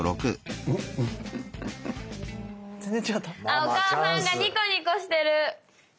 あお母さんがニコニコしてる。